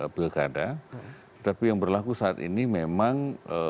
pilkada tapi yang berlaku saat ini memang